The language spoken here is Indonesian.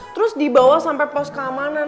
terus dibawa sampai pos keamanan